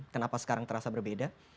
kenapa sekarang terasa berbeda